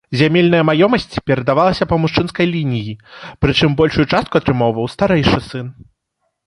Зямельная маёмасць перадавалася па мужчынскай лініі, прычым большую частку атрымоўваў старэйшы сын.